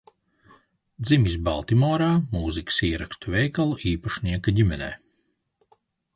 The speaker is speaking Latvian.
Dzimis Baltimorā mūzikas ierakstu veikala īpašnieka ģimenē.